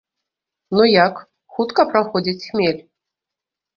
Ну як, хутка праходзіць хмель?